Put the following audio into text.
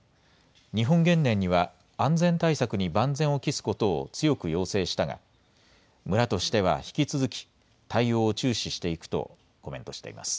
日本原燃には安全対策に万全を期すことを強く要請したが村としては引き続き対応を注視していくとコメントしています。